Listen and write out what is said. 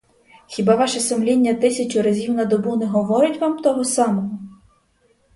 Хіба ваше сумління тисячу разів на добу не говорить вам того самого?